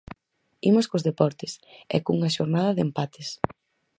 Imos cos deportes, e cunha xornada de empates.